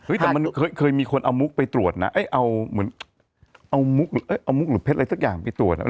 แต่มันเคยมีคนเอามุกไปตรวจนะไอ้เอาเหมือนเอามุกหรือเอามุกหรือเพชรอะไรสักอย่างไปตรวจ